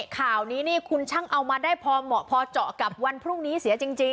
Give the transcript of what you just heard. ข่าวนี้นี่คุณช่างเอามาได้พอเหมาะพอเจาะกับวันพรุ่งนี้เสียจริง